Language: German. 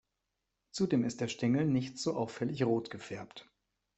Zudem ist der Stängel nicht so auffällig rot gefärbt.